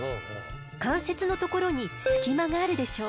関節のところに隙間があるでしょう？